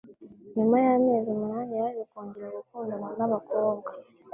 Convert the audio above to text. Nyuma y'amezi umunani yaje kongera gukundana nabakobwa